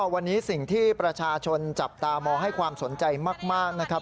วันนี้สิ่งที่ประชาชนจับตามองให้ความสนใจมากนะครับ